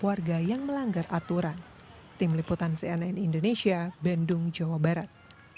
warga yang melanggar aturan tim liputan cnn indonesia bandung jawa barat